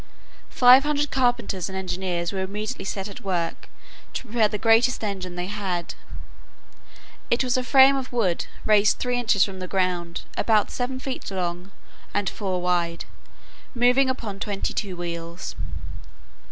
Five hundred carpenters and engineers were immediately set at work to prepare the greatest engine they had. It was a frame of wood raised three inches from the ground, about seven feet long, and four wide, moving upon twenty two wheels.